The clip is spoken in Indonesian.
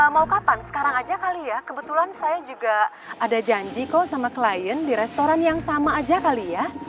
mau kapan sekarang aja kali ya kebetulan saya juga ada janji kok sama klien di restoran yang sama aja kali ya